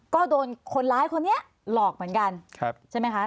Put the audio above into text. ก็โดนคนร้ายคนนี้หลอกเหมือนกันใช่ไหมคะ